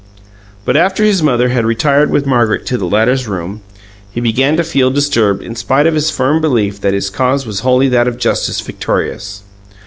But after his mother had retired with Margaret to the latter's room, he began to feel disturbed in spite of his firm belief that his cause was wholly that of justice victorious.